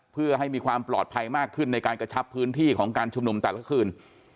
เพื่อให้มีความปลอดภัยมากขึ้นในการกระชับพื้นที่ของการชุมนุมแต่ละคืน